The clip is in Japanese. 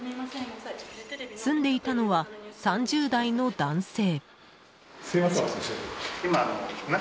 住んでいたのは３０代の男性。